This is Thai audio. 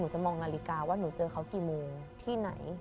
จะมองนาฬิกาว่าหนูเจอเขากี่โมงที่ไหน